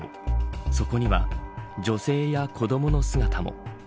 そこには、女性や子どもの姿も。